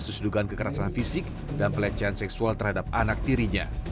kasus dugaan kekerasan fisik dan pelecehan seksual terhadap anak tirinya